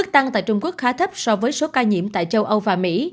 tăng tại trung quốc khá thấp so với số ca nhiễm tại châu âu và mỹ